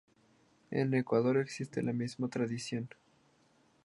En Ecuador existe la misma tradición.